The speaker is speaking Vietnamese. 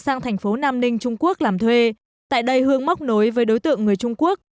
sang thành phố nam ninh trung quốc làm thuê tại đây hương móc nối với đối tượng người trung quốc